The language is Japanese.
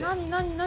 何？